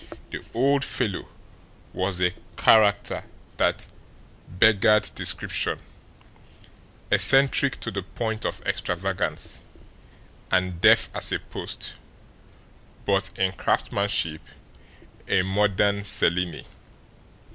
The old fellow was a character that beggared description, eccentric to the point of extravagance, and deaf as a post; but, in craftmanship, a modern Cellini.